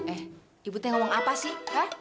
eh ibu teh ngomong apa sih